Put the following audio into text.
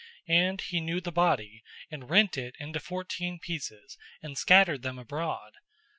And he knew the body, and rent it into fourteen pieces, and scattered them abroad.